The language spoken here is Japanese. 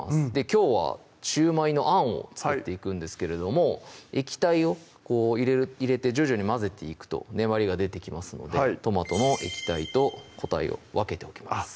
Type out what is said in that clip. きょうは焼売のあんを作っていくんですけれども液体を入れて徐々に混ぜていくと粘りが出てきますのでトマトの液体と固体を分けておきます